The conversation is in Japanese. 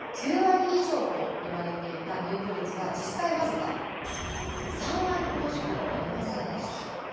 ９割以上と言われていた入居率は実際僅か３割ほどしかありませんでした。